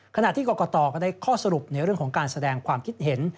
ขณะที่กรกตก็ได้ข้อสรุปในเรื่องของการแสดงความคิดเห็น